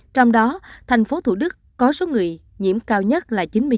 trong đó tp thủ đức có số người nhiễm cao nhất là chín mươi chín ca